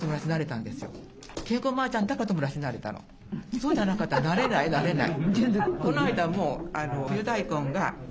そうじゃなかったらなれないなれない。